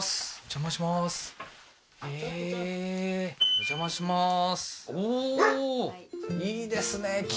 お邪魔します